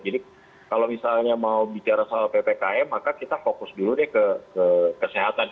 jadi kalau misalnya mau bicara soal ppkm maka kita fokus dulu deh ke kesehatan